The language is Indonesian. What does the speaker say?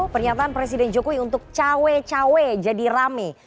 pernyataan presiden jokowi untuk cawe cawe jadi rame